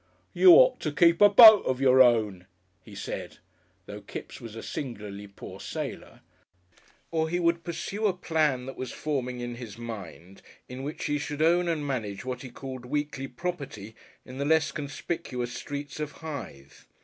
"You ought to keep a boat of your own," he said, though Kipps was a singularly poor sailor or he would pursue a plan that was forming in his mind in which he should own and manage what he called "weekly" property in the less conspicuous streets of Hythe.